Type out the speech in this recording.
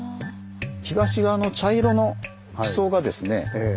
東側の茶色の地層がですね